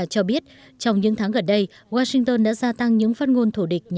cho biết trong những tháng gần đây washington đã gia tăng những phát ngôn thủ địch